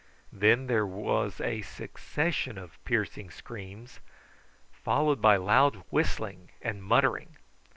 Then there was a succession of piercing screams, followed by loud whistling and muttering.